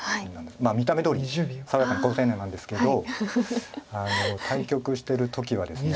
見た目どおり爽やかな好青年なんですけど対局してる時はですね